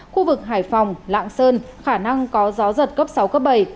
khu vực hải phòng lạng sơn khả năng có gió giật cấp sáu cấp bảy